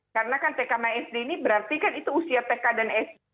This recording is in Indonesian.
karena kan tk dan sd ini berarti kan itu usia tk dan sd